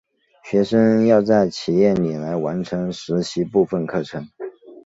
学生要在企业里来完成实习部分课程。